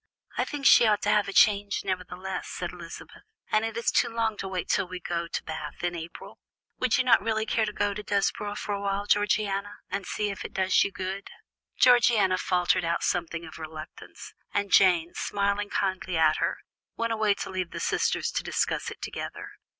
"I think she ought to have a change, nevertheless," said Elizabeth, "and it is too long to wait till we go to Bath in April. Would you not really care to go to Desborough for a little, Georgiana, and see if it does you good?" Georgiana faltered out something of reluctance, and Jane, smiling kindly at her, went away to leave the sisters to discuss it together.